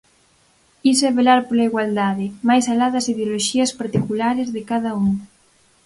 Iso é velar pola igualdade máis alá das ideoloxías particulares de cada un.